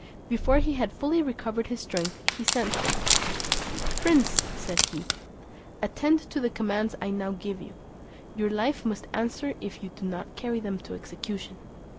Before he had fully recovered his strength he sent for me: "Prince," said he, "attend to the commands I now give you; your life must answer if you do not carry them into execution."